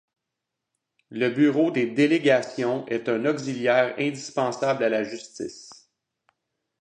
Le bureau des Délégations est un auxiliaire indispensable à la justice.